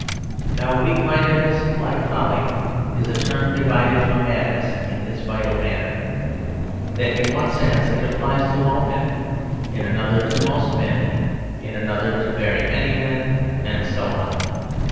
Now weak mindedness, like folly, is a term divided from madness in this vital manner that in one sense it applies to all men, in another to most men, in another to very many men, and so on.